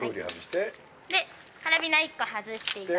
カラビナ１個外して。